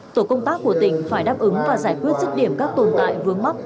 tổ công tác của tỉnh phải đáp ứng và giải quyết dứt điểm các tồn tại vướng mắt